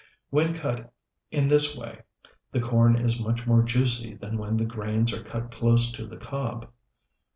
When cut in this way, the corn is much more juicy than when the grains are cut close to the cob.